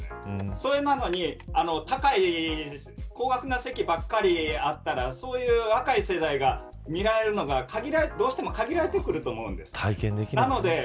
それなのに高い高額の席ばっかりあったらそういう若い世代が見られるのが限られてくると思います。